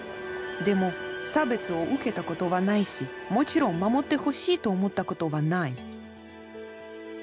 でも差別を受けたことはないしもちろん守ってほしいと思ったことはない。